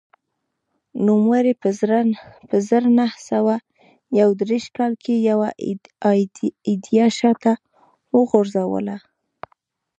نوموړي په زر نه سوه یو دېرش کال کې یوه ایډیا شا ته وغورځوله